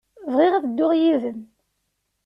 Bɣiɣ ad dduɣ yid-m.